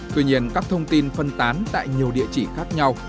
tuy nhiên các thông tin phân tán tại nhiều địa chỉ khác nhau